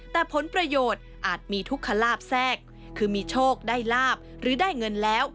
แต่ผลประโยชน์อาจมีทุกขลาบแทรกคือมีโชคได้ลาบหรือได้เงินแล้ว